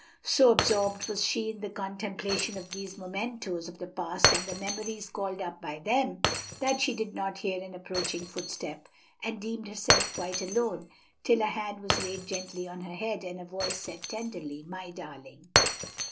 So absorbed was she in the contemplation of these mementoes of the past and the memories called up by them, that she did not hear an approaching footstep, and deemed herself quite alone, till a hand was laid gently on her head, and a voice said tenderly, "My darling!"